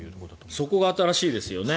そこが新しいですよね。